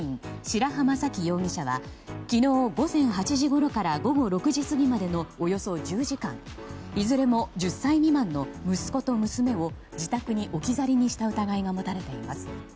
白濱沙紀容疑者は昨日午前８時ごろから午後６時過ぎまでのおよそ１０時間いずれも１０歳未満の息子と娘を自宅に置き去りにした疑いが持たれています。